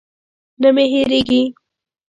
نه مې هېرېږي.